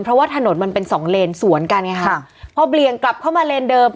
เพราะว่าถนนมันเป็นสองเลนสวนกันไงค่ะพอเบี่ยงกลับเข้ามาเลนเดิม